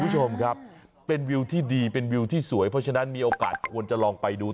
คุณผู้ชมครับเป็นวิวที่ดีเป็นวิวที่สวยเพราะฉะนั้นมีโอกาสควรจะลองไปดู